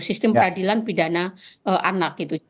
sistem peradilan pidana anak gitu